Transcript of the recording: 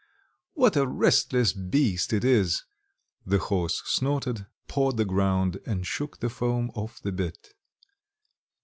What a restless beast it is!" The horse snorted, pawed the ground, and shook the foam off the bit.